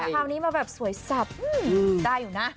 คราวนี้มาแบบสวยสับได้อยู่นะ